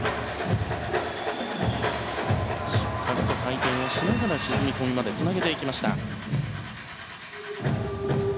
しっかりと回転しながら沈み込みまでつなげていきました。